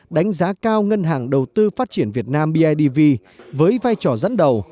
đánh giá cao ngân hàng đầu tư phát triển việt nam bidv với vai trò dẫn đầu